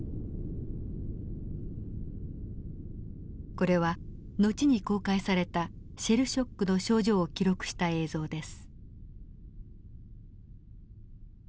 これは後に公開されたシェルショックの症状を記録した映像です。